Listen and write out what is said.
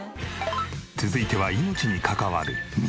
続いては命に関わる水。